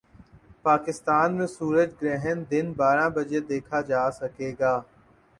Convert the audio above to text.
پاکستان میں سورج گرہن دن بارہ بجے دیکھا جا سکے گا